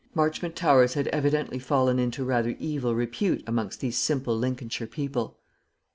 Marchmont Towers had evidently fallen into rather evil repute amongst these simple Lincolnshire people.